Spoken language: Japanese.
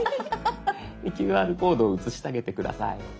ＱＲコードを写してあげて下さい。